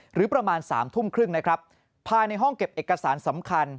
หรือประมาณสามทุ่มครึ่งนะครับภายในห้องเก็บเอกสารสำคัญ